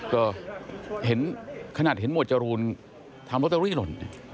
ก็เห็นขนาดเห็นหมวดจรูนทำลอตเตอรี่หล่น